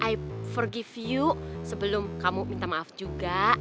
i forgive you sebelum kamu minta maaf juga